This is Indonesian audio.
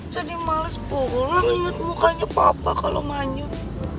jadi males pulang inget mukanya papa kalau manyun